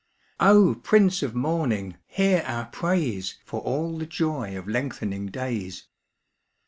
f\ PRINCE of Morning J hear our praise ^ For aU the joy of lengthening days